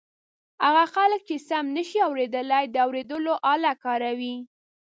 هغه خلک چې سم نشي اورېدلای د اوریدلو آله کاروي.